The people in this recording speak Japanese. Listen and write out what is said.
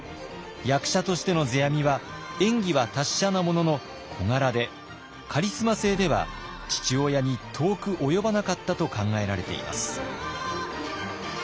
役者としての世阿弥は演技は達者なものの小柄でカリスマ性では父親に遠く及ばなかったと考えられています。